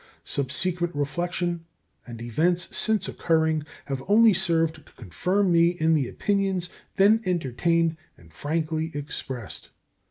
Subsequent reflection and events since occurring have only served to confirm me in the opinions then entertained and frankly expressed.